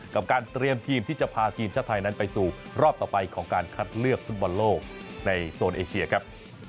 กับการเตรียมทีมที่จะพาทีมชาติไทยนั้นไปสู่รอบต่อไปของการคัดเลือกฟุตบอลโลกในโซนเอเชียครับ